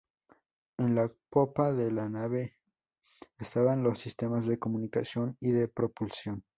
En la popa de la nave estaban los sistemas de comunicación y de propulsión.